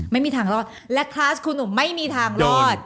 ไม่มีทางรอดและคลาสครูหนุ่มไม่มีทางรอด